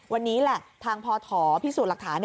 วันนี้แหละทางพอถอพิสูจน์หลักฐาน